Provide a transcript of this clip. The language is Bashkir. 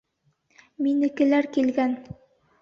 Минекеләр килгән!